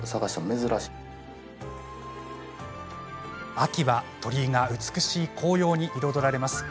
秋は、鳥居が美しい紅葉に彩られます。